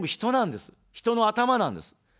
人の頭なんです。